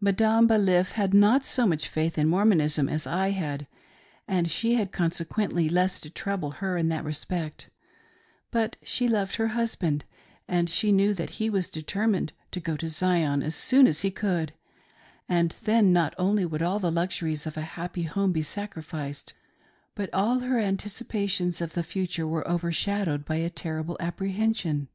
Madame Baliff had not so much faith in Mormonism as I had, and she had consequently less to trouble her in that respect ; but she loved her husband, and she knew that he was determined to go to Zion as soon as he could, and then not only would all the luxuries of a happy home be sacrificed, but all her anticipations of the future were overshadowed by a terrible apprehension.